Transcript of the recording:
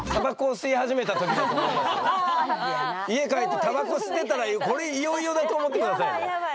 それは家帰ってタバコ吸ってたらこれいよいよだと思って下さいね。